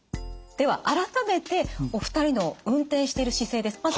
では改めてお二人の運転している姿勢です。